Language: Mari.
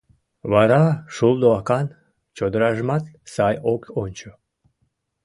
Вара «шулдо акан» чодыражымат сай ок ончо.